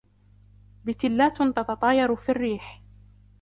بتلاتٌ تتطاير في الريح.